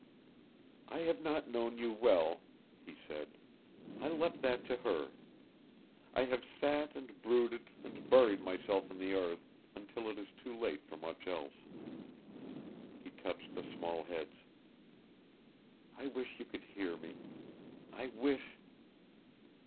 "I have not known you well," he said. "I left that to her. I have sat and brooded and buried myself in the earth until it is too late for much else." He touched the small heads. "I wish you could hear me. I wish